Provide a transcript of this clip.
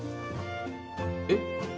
えっ？